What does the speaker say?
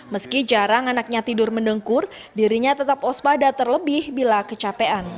meski jarang anaknya tidur mendengkur dirinya tetap ospada terlebih bila kecapean